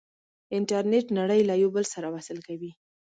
انټرنیټ نړۍ له یو بل سره وصل کوي.